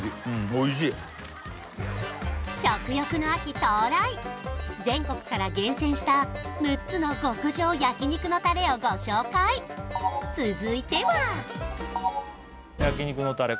おいしい食欲の秋到来全国から厳選した６つの極上焼肉のタレをご紹介続いては焼肉のタレ